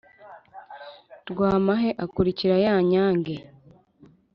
Rwamahe akurikira ya nyange